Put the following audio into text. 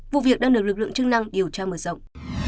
vụ việc đang được lực lượng chức năng điều tra mở rộng